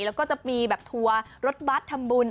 แล้วก็จะมีแบบทัวร์รถบัตรทำบุญ